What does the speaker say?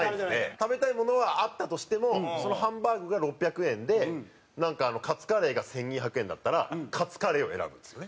食べたいものはあったとしてもハンバーグが６００円でカツカレーが１２００円だったらカツカレーを選ぶんですよね